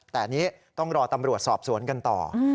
แต่อันนี้ต้องรอตำรวจสอบสวนกันต่อ